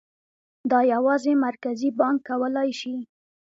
دا یوازې مرکزي بانک کولای شي.